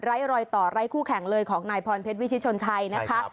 รอยต่อไร้คู่แข่งเลยของนายพรเพชรวิชิตชนชัยนะคะ